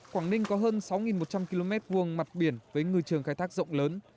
quảng ninh có hơn sáu một trăm linh km hai mặt biển với người trường khai thác rộng lớn